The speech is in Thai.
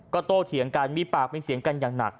ก็โตเถียงกันมีปากมีเสียงกันอย่างหนัก